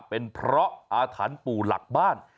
เป็นเพราะอาถรรพ์ปู่หลักบ้าน